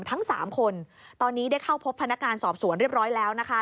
ทั้งสามคนตอนนี้ได้เข้าพบพนักงานสอบสวนเรียบร้อยแล้วนะคะ